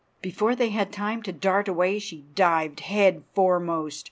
Before they had time to dart away she dived head foremost.